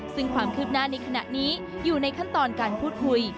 ซึ่งความคืบหน้าในขณะนี้อยู่ในขั้นตอนการพูดคุย